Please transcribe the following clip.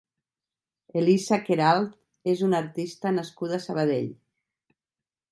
Elisa Queralt és una artista nascuda a Sabadell.